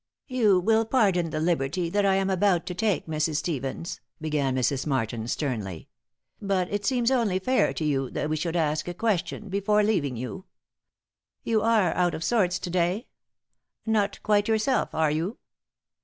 "You will pardon the liberty that I am about to take, Mrs. Stevens," began Mrs. Martin, sternly, "but it seems only fair to you that we should ask a question before leaving you. You are out of sorts to day? Not quite yourself, are you?"